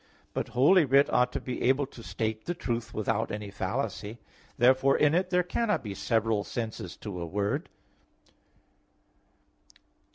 But Holy Writ ought to be able to state the truth without any fallacy. Therefore in it there cannot be several senses to a word.